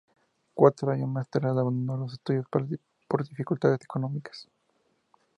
Cuatro años más tarde abandonó los estudios por dificultades económicas.